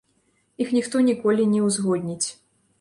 Іх ніхто ніколі не ўзгодніць.